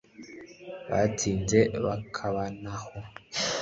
abatsinze bakabanaho